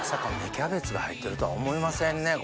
キャベツが入ってるとは思いませんね。